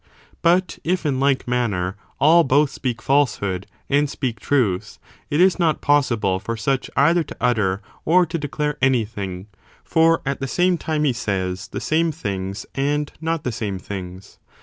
But if, in like manner, all both speak falsehood and speak truth, it is not possible for such either to utter or to declare anything, for at the same time he says the same things and not the same things.